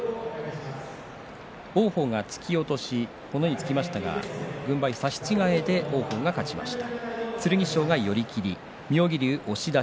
王鵬、突き落とし物言いがつきましたが軍配差し違えで王鵬が勝ちました。